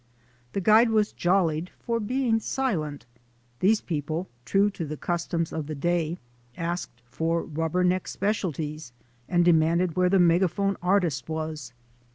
The guide was jollied for being silent. These people, true to the customs of the day, asked for rubber neck specialties and demanded where their megaphone artist was.